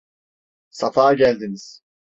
Safa geldiniz!